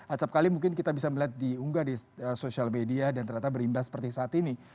acapkali mungkin kita bisa melihat diunggah di sosial media dan ternyata berimbas seperti saat ini